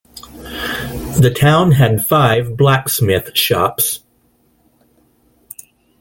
The town had five blacksmith shops.